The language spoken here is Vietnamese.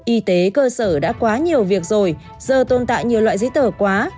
y tế cơ sở đã quá nhiều việc rồi giờ tồn tại nhiều loại giấy tờ quá